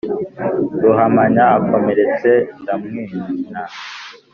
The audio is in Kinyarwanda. ruhamanya akomeretse ndamwina,